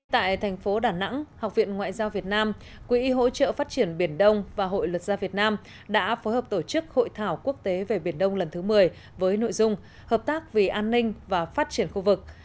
tại thành phố đà nẵng học viện ngoại giao việt nam quỹ hỗ trợ phát triển biển đông và hội luật gia việt nam đã phối hợp tổ chức hội thảo quốc tế về biển đông lần thứ một mươi với nội dung hợp tác vì an ninh và phát triển khu vực